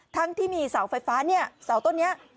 ทั้งที่มีเสาไฟฟ้าเนี่ยเสาต้นนี้